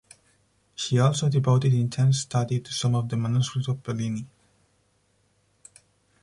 She also devoted intense study to some of the manuscripts of Bellini.